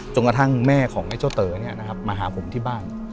กระทั่งแม่ของไอ้เจ้าเต๋อมาหาผมที่บ้าน